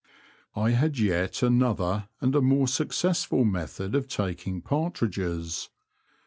I had yet another and a more successful method of taking partridges.